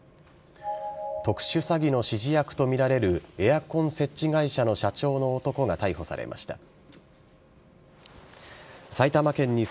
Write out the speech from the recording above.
特殊詐欺の指示役と見られるエアコン設置会社の社長の男が逮捕されました。